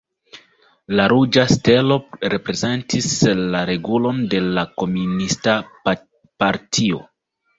La ruĝa stelo reprezentis la regulon de la Komunista Partio.